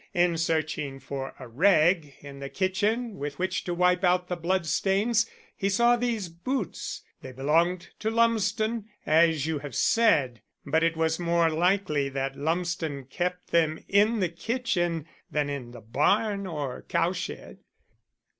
In searching for a rag in the kitchen with which to wipe out the blood stains, he saw these boots. They belonged to Lumsden, as you have said, but it was more likely that Lumsden kept them in the kitchen than in the barn or cowshed.